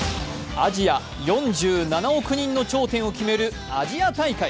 アジア４７億人の頂点を決めるアジア大会。